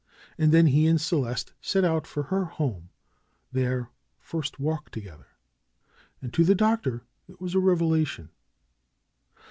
And then he and Celeste set out for her home ; their first walk together. And to the Doctor it was a revela tion.